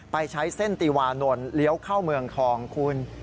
ไปใช้เส้นติวานนท์เลี้ยวเข้าเมืองทองคุณ